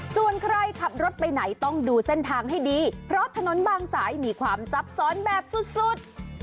ส่วนใครขับรถไปไหนต้องดูเส้นทางให้ดีเพราะถนนบางสายมีความซับซ้อนแบบสุด